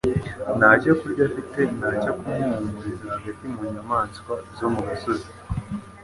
ntacyo kurya afite nta cyo kumuhumuriza hagati mu nyamaswa zo mu gasozi?